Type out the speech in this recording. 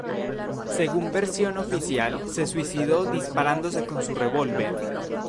Según versión oficial se suicidó disparándose con su revólver.